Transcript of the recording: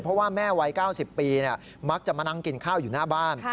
เพราะว่าแม่วัย๙๐ปีมักจะมานั่งกินข้าวอยู่หน้าบ้าน